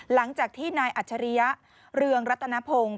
หลังจากที่นายอัจฉริยะเรืองรัตนพงศ์